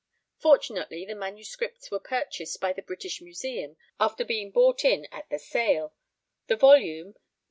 Fortunately the manuscripts were purchased by the British Museum after being bought in at the sale; the volume (No.